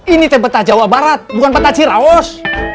ini teh peta jawa barat bukan peta cirawas